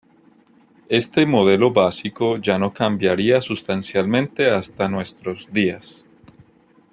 Este modelo básico ya no cambiaría sustancialmente hasta nuestros días.